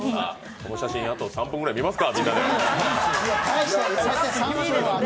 この写真、あと３分ぐらい見ますか。